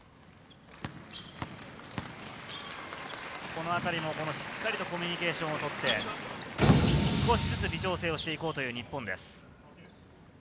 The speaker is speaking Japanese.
このあたりもしっかりとコミュニケーションをとって少しずつ微調整をして行こうという日本です。